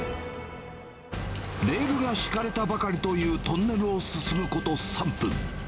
レールが敷かれたばかりというトンネルを進むこと３分。